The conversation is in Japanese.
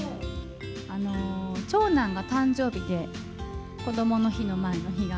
長男が誕生日で、こどもの日の前の日が。